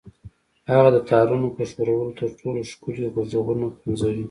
هغه د تارونو په ښورولو تر ټولو ښکلي غږونه پنځوي